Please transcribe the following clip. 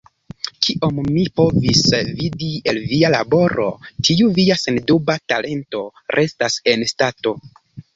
Kiom mi povis vidi el via laboro, tiu via senduba talento restas en stato.